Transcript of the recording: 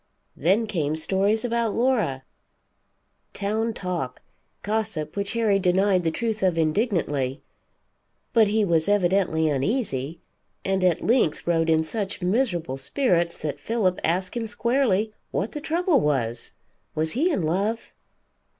Then came stories about Laura, town talk, gossip which Harry denied the truth of indignantly; but he was evidently uneasy, and at length wrote in such miserable spirits that Philip asked him squarely what the trouble was; was he in love?